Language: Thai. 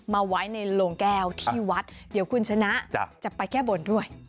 มาไว้ในโลงแก้วที่วัดเดี๋ยวคุณชนะจะไปแก้บนด้วย